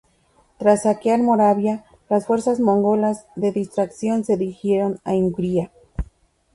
Tras saquear Moravia, las fuerzas mongolas de distracción se dirigieron a Hungría.